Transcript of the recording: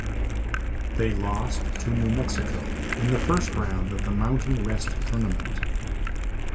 They lost to New Mexico in the first round of the Mountain West Tournament.